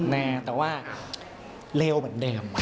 แน่แต่ว่าเลวเหมือนเดิม